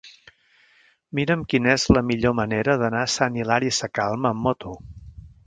Mira'm quina és la millor manera d'anar a Sant Hilari Sacalm amb moto.